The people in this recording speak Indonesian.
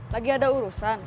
lagi ada urusan